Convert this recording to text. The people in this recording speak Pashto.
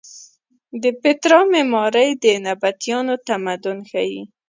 د پیترا معمارۍ د نبطیانو تمدن ښیې.